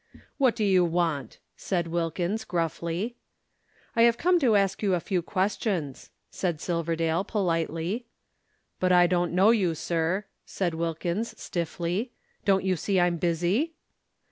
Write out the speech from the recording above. "What do you want?" said Wilkins gruffly. "I have come to ask you a few questions," said Silverdale politely. "But I don't know you, sir," said Wilkins stiffly. "Don't you see I'm busy?"